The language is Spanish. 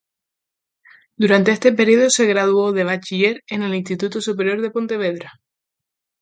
Durante este periodo se graduó de bachiller en el Instituto Superior de Pontevedra.